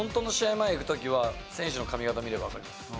前、行くときは、選手の髪形見れば分かります。